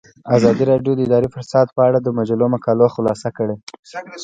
ازادي راډیو د اداري فساد په اړه د مجلو مقالو خلاصه کړې.